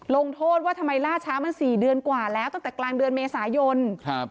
ลงโทษว่าทำไมล่าช้ามัน๔เดือนกว่าแล้วตั้งแต่กลางเดือนเมษายน